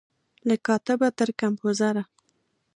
له کاتبه تر کمپوزره